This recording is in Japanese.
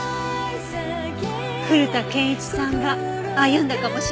古田憲一さんが歩んだかもしれない未来ね。